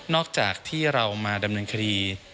จากที่เรามาดำเนินคดี